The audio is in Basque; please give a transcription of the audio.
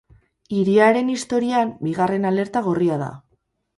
Hiriaren historian bigarren alerta gorria da.